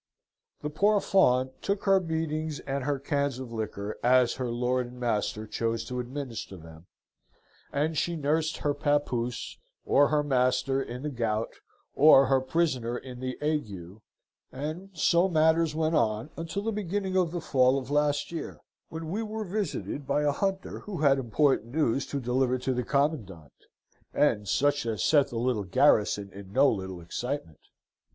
The poor Fawn took her beatings and her cans of liquor as her lord and master chose to administer them; and she nursed her papoose, or her master in the gout, or her prisoner in the ague; and so matters went on until the beginning of the fall of last year, when we were visited by a hunter who had important news to deliver to the commandant, and such as set the little garrison in no little excitement.